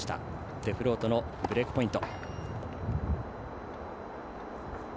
デフロートのブレークポイント。